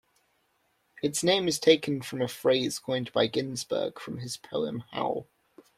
Its name is taken from a phrase coined by Ginsberg, from his poem Howl.